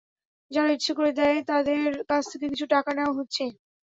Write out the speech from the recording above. যারা ইচ্ছে করে দেয় তাদের কাছ থেকে কিছু টাকা নেওয়া হচ্ছে।